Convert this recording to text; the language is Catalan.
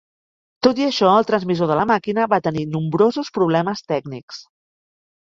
Tot i això, el transmissor de la màquina va tenir nombrosos problemes tècnics.